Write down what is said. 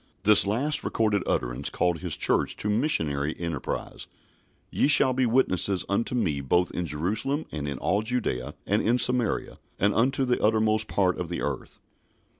This last recorded utterance called His Church to missionary enterprise: "Ye shall be witnesses unto me both in Jerusalem, and in all Judaea, and in Samaria, and unto the uttermost part of the earth."